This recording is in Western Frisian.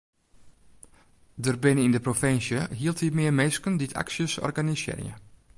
Der binne yn de provinsje hieltyd mear minsken dy't aksjes organisearje.